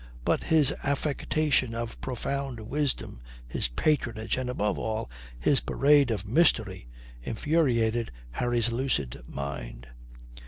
But his affectation of profound wisdom, his patronage, and above all, his parade of mystery infuriated Harry's lucid mind.